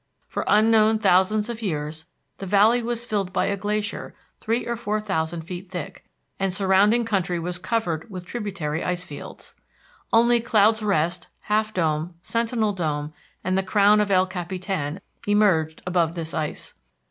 For unknown thousands of years the Valley was filled by a glacier three or four thousand feet thick, and the surrounding country was covered with tributary ice fields. Only Cloud's Rest, Half Dome, Sentinel Dome, and the crown of El Capitan emerged above this ice.